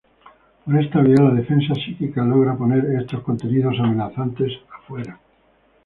Por esta vía, la defensa psíquica logra poner estos contenidos amenazantes afuera.